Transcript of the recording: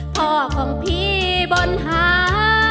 พ่อของพี่บนหา